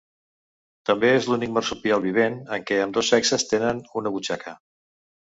També és l'únic marsupial vivent en què ambdós sexes tenen una butxaca.